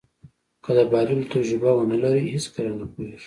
که د بایللو تجربه ونلرئ هېڅکله نه پوهېږو.